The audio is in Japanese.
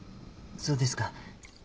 そうですか。